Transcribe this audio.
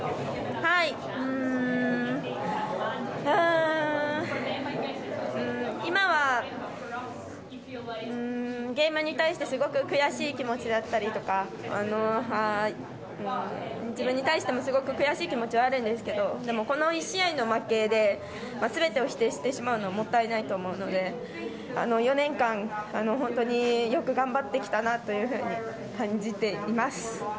いやー、今は、ゲームに対して、すごく悔しい気持ちだったりとか、自分に対してもすごく悔しい気持ちはあるんですけど、でもこの１試合の負けで、すべてを否定してしまうのはもったいないと思うので、４年間、本当によく頑張ってきたなというふうに感じています。